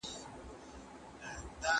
زده کوونکي د اوبو د ارزښت په اړه بحث کوي.